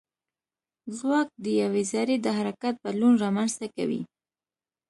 ځواک د یوې ذرې د حرکت بدلون رامنځته کوي.